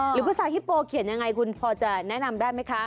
หรือภาษาฮิปโปเขียนยังไงคุณพอจะแนะนำได้ไหมคะ